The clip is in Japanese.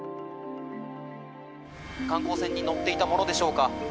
観光船に乗っていたものでしょうか。